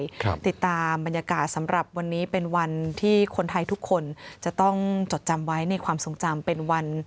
ติดตามบรรยากาศสำหรับวันนี้เป็นวันที่คนไทยทุกคนจะต้องจดจำไว้ในความทรงจำเป็นวัน